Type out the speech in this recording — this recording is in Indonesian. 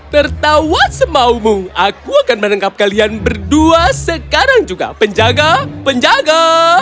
tertawa semaumu aku akan menangkap kalian berdua sekarang juga penjaga penjaga